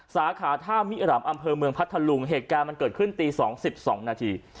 สาขาท่ามิรามอำเภอเมืองพัทธลุงเหตุการณ์มันเกิดขึ้นตี๒๒นาที